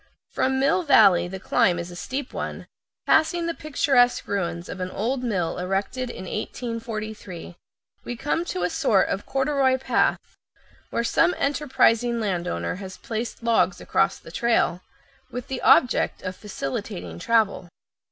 From Mill Valley the climb is a steep one, passing the picturesque ruins of an old mill erected in 1843. We come to a sort of corduroy path, where some enterprising landowner has placed logs across the trail, with the object of facilitating travel.